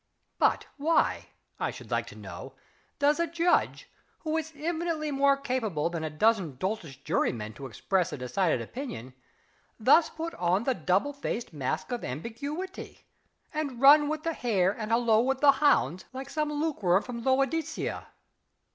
(But why, I should like to know, does a Judge, who is infinitely more capable than a dozen doltish juryman to express a decided opinion, thus put on the double faced mask of ambiguity, and run with the hare and halloo with the hounds, like some Lukeworm from Laodicea?)